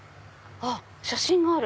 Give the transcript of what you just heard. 写真がある。